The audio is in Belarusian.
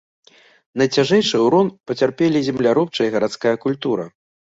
Найцяжэйшы ўрон пацярпелі земляробчая і гарадская культура.